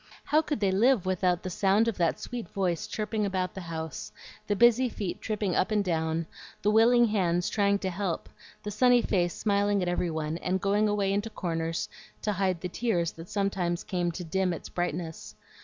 How could they live without the sound of that sweet voice chirping about the house, the busy feet tripping up and down, the willing hands trying to help, the sunny face smiling at every one, and going away into corners to hide the tears that sometimes came to dim its brightness?